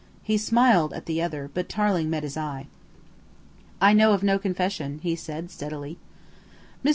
He smiled at the other, but Tarling met his eye. "I know of no confession," he said steadily. Mr.